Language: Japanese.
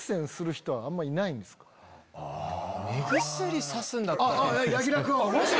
目薬差すんだったら。